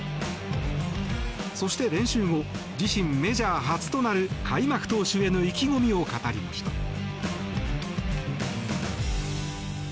そして、練習後自身メジャー初となる開幕投手への意気込みを語りました。